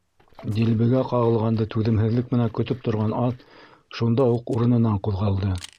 Дилбегә ҡағылғанды түҙемһеҙлек менән көтөп торған ат шунда уҡ урынынан ҡуҙғалды.